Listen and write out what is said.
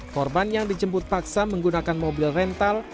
korban yang dijemput paksa menggunakan mobil rental